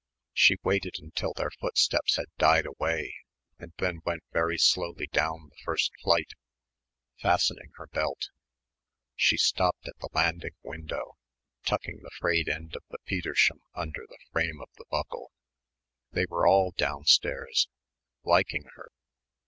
She waited until their footsteps had died away and then went very slowly down the first flight, fastening her belt. She stopped at the landing window, tucking the frayed end of the petersham under the frame of the buckle ... they were all downstairs, liking her.